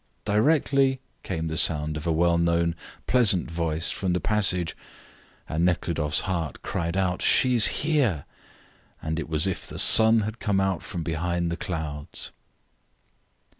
"Directly," came the sound of a well known, pleasant voice from the passage, and Nekhludoff's heart cried out "She's here!" and it was as if the sun had come out from behind the clouds.